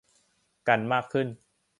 กันมากขึ้น